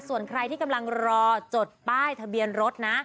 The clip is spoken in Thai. ส่วนใครที่กำลังรอจดป้ายทะเบียนรถนะ